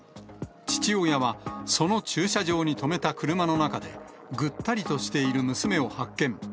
父親は、その駐車場に止めた車の中で、ぐったりとしている娘を発見。